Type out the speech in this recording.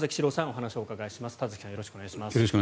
よろしくお願いします。